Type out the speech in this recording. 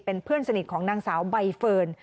เป็นเพื่อนสนิทของนางสาวใบเฟิร์น